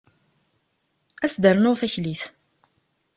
Ad as-d-rnuɣ taklit.